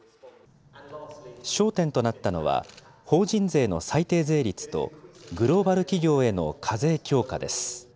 焦点となったのは、法人税の最低税率と、グローバル企業への課税強化です。